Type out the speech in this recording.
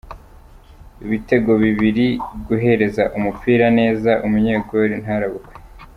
Ibitego bibiri, guhereza umupira neza, umunyegoli ntanarabukwe.